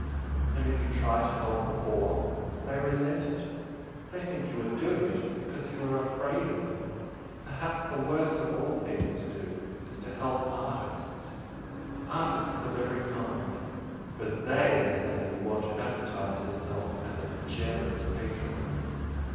And if you try to help the poor they resent it they think you are doing it because you are afraid of them! Perhaps the worst of all things to do is to help artists artists of every kind! for THEY say you want to advertise yourself as a 'generous patron'!